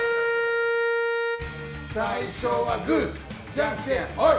最初はグー、じゃんけんホイ。